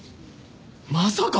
まさか！